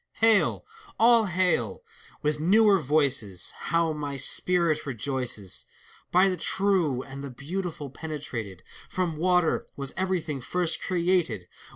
THALES. Hail! All hail! with newer voices: How my spirit rejoices, ACT IL m By the Tnie and the Beautiful penetrated ! From Water was everything first created!